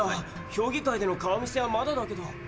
評議会での顔見せはまだだけど。